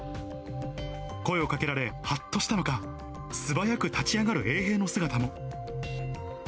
声をかけられ、はっとしたのか、素早く立ち上がる衛兵の姿も。